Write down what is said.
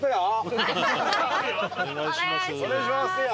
お願いします！